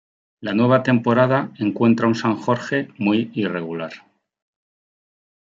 La nueva temporada encuentra a un San Jorge muy irregular.